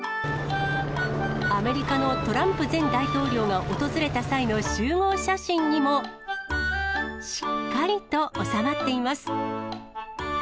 アメリカのトランプ前大統領が訪れた際の集合写真にも、しっかりと収まっています。